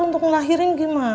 untuk ngelahirin gimana